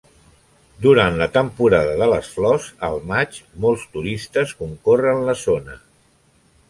Durant la temporada de les flors al maig molts turistes concorren la zona.